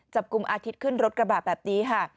จับกลุ่มอาทิตย์ขึ้นรถกระบะแบบนี้ค่ะ